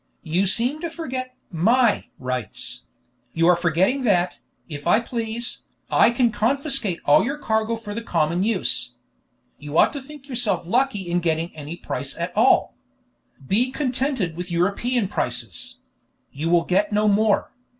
You seem to forget my rights; you are forgetting that, if I please, I can confiscate all your cargo for the common use. You ought to think yourself lucky in getting any price at all. Be contented with European prices; you will get no more.